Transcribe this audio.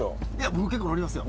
僕結構乗りますよ。